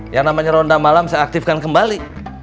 yang namanya ronda malam saya aktifkan kembali